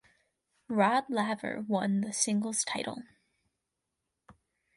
Rod Laver won the singles title.